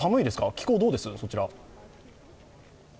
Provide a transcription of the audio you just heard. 気候どうです？